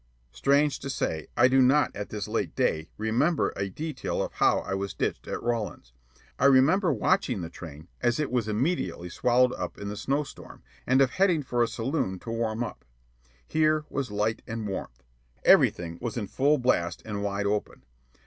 Strange to say, I do not at this late day remember a detail of how I was ditched at Rawlins. I remember watching the train as it was immediately swallowed up in the snow storm, and of heading for a saloon to warm up. Here was light and warmth. Everything was in full blast and wide open.